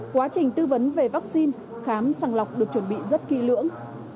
quá trình tư vấn về vaccine khám sàng lọc được chuẩn bị rất kỹ lưỡng